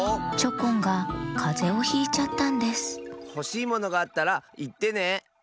チョコンがかぜをひいちゃったんですほしいものがあったらいってね。